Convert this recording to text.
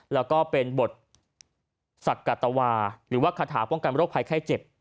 แล้วก็เป็นบทศักดิ์กัตวาหรือว่าคาถาป้องกันโรคภัยไข้เจ็บ